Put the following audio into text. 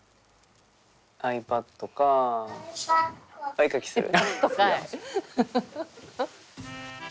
お絵描きする？